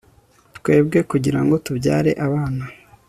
twebwe kugirango tubyare abana